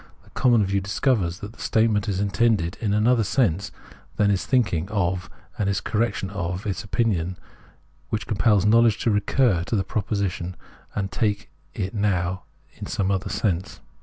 The common view discovers that the statement is intended in another sense than it is thinking of, and this correction of its opinion compels knowledge to recur to the proposition and take it now in some other sense.